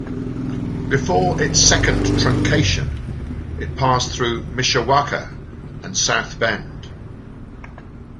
Before its second truncation, it passed through Mishawaka and South Bend.